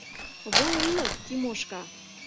— Воло ӱлык, Тимошка!